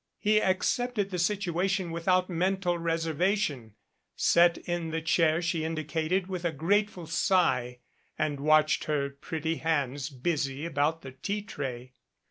He accepted the situation without mental reservation, sat in the chair she indicated with a grateful sigh and watched her pretty hands busy about the tea tray.